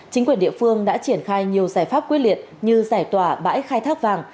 chính quyền địa phương đã triển khai nhiều giải pháp quyết liệt như giải tỏa bãi khai thác vàng